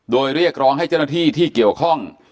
โดยเรียกร้องให้เจ้าหน้าที่ที่เกี่ยวข้อง